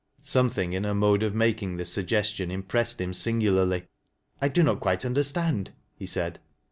Something in her mode of making this suggestion im. pressed liim singularly. " I do not quite understand —" he said.